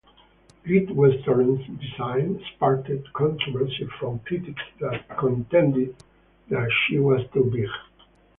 "Great Western's" design sparked controversy from critics that contended that she was too big.